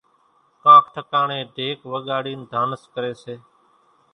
ڪانڪ ٺڪاڻين ڍيڪ وڳاڙينَ ڍانس ڪريَ سي۔